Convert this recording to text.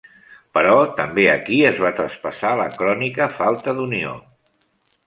Però també aquí es va traspassar la crònica falta d'unió.